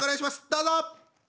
どうぞ！